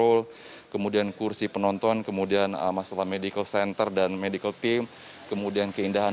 soal medical center bagaimana kesiapan medical center dan juga tenaga medisnya